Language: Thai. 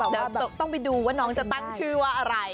เดี๋ยวต้องไปดูว่าน้องจะตั้งชื่อว่าอะไร